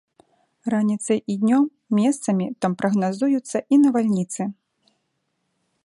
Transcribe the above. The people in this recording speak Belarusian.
Раніцай і днём месцамі там прагназуюцца і навальніцы.